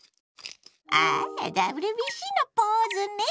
ああＷＢＣのポーズね！